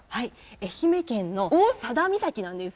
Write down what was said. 愛媛県の佐田岬なんです。